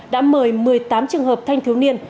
đã mời một mươi tám trường hợp thanh thiếu niên